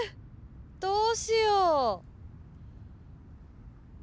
どうしよう。